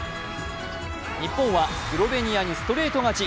日本はスロベニアにストレート勝ち。